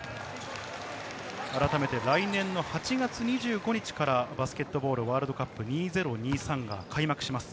改めて来年の８月２５日からバスケットボールワールドカップ２０２３が開幕します。